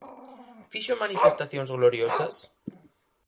¿Fixo manifestacións gloriosas?